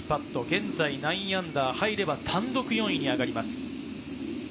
現在−９、入れば単独４位に上がります。